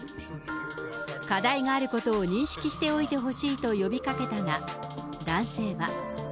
課題があることを認識しておいてほしいと呼びかけたが、男性は。